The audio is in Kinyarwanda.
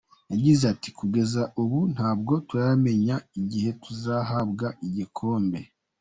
Yagize ati “Kugeza ubu ntabwo turamenya igihe tuzahabwa igikombe.